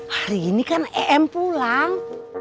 hari ini kan em pulang